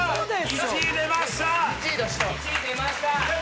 １位出した！